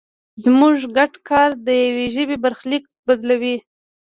زموږ ګډ کار د یوې ژبې برخلیک بدلوي.